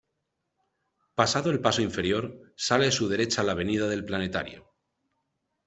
Pasado el paso inferior, sale a su derecha la avenida del Planetario.